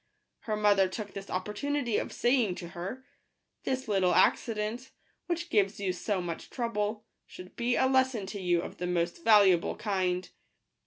Her mother took this opportunity of saying to her, " This little accident, which gives you so much trouble, should be a lesson to you of the most valuable kind.